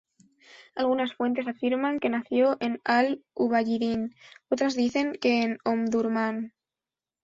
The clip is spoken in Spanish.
Algunas fuentes afirman que nació en Al-Ubayyidin, otras dicen que en Omdurmán.